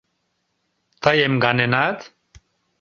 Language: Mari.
Тый эмганенат?